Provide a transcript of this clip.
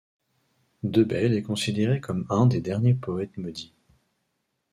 Deubel est considéré comme un des derniers poètes maudits.